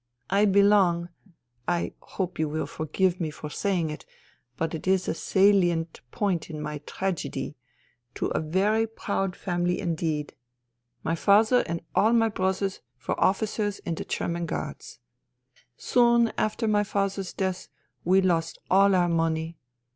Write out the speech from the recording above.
I belong (I hope you will forgive me for saying it, but it is a salient point in my tragedy) to a very proud family indeed. My father and all my brothers were officers in the German Guards. Soon after my father's death we lost all our money.